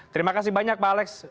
terima kasih banyak pak alex